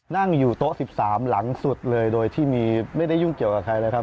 นั่งอยู่โต๊ะ๑๓หลังสุดเลยโดยที่ไม่ได้ยุ่งเกี่ยวกับใครเลยครับ